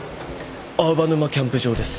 青葉沼キャンプ場です。